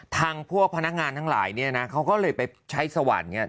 ทางพวกพนักงานทั้งหลายเนี่ยนะเขาก็เลยไปใช้สวรรค์เนี่ย